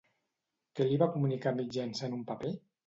Què li va comunicar mitjançant un paper?